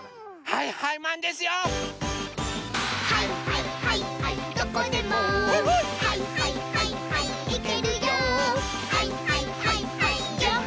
「はいはいはいはいマン」